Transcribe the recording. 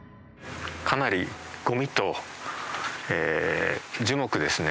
かなりごみと樹木ですね。